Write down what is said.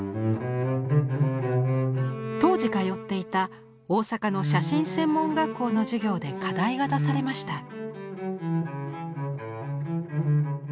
当時通っていた大阪の写真専門学校の授業で課題が出されました。